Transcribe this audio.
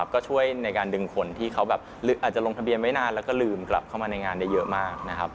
ก็ช่วยในการดึงคนที่เขาแบบอาจจะลงทะเบียนไว้นานแล้วก็ลืมกลับเข้ามาในงานได้เยอะมากนะครับ